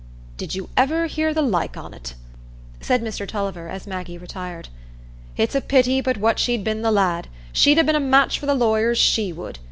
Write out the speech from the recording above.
"Did you ever hear the like on't?" said Mr Tulliver, as Maggie retired. "It's a pity but what she'd been the lad,—she'd ha' been a match for the lawyers, she would.